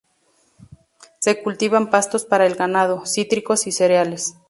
Se cultivan pastos para el ganado, cítricos y cereales.